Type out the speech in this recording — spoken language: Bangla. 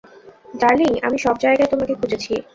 ডার্লিং, আমি সবজায়গায় তোমাকে খুঁজেছি।